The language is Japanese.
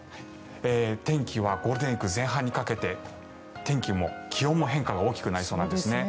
天気はゴールデンウィーク前半にかけて天気も気温も変化が大きくなりそうです。